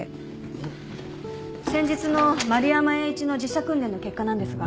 先日の丸山栄一の実射訓練の結果なんですが。